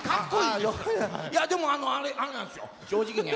いやでもあのあれなんですよ。正直に。